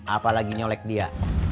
apalagi nyolek dia